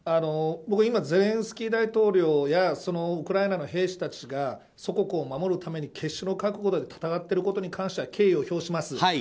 僕は今、ゼレンスキー大統領やそのウクライナの兵士たちが祖国を守るために決死の覚悟で戦っていることに関しては敬意を表します。